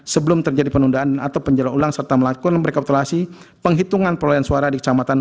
sebelum terjadi penundaan atau penjara ulang serta melakukan rekapitulasi penghitungan perolehan suara di kecamatan